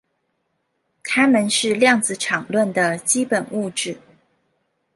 它们是量子场论的基本物质。